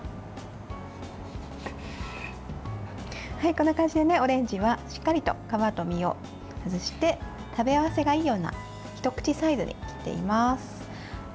こんな感じでオレンジはしっかりと皮と実を外して食べ合わせがいいようなひと口サイズに切っています。